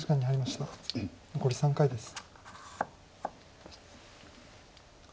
残り３回です。